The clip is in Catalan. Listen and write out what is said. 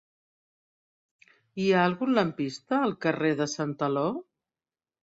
Hi ha algun lampista al carrer de Santaló?